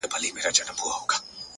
هڅاند ذهن ستړیا نه مني!